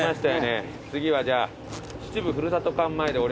次はじゃあ。